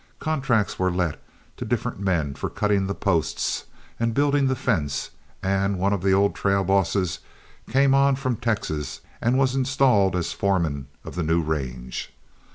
Contracts were let to different men for cutting the posts and building the fence, and one of the old trail bosses came on from Texas and was installed as foreman of the new range.